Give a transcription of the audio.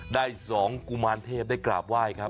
ได้๒กุมารเทพได้กราบไหว้ครับ